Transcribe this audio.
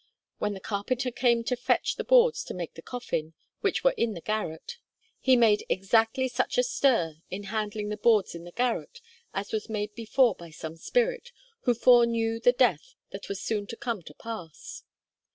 When the carpenter came to fetch the boards to make the coffin, (which were in the garret,) he made exactly such a stir, in handling the boards in the garret, as was made before by some spirit, who foreknew the death that was soon to come to pass.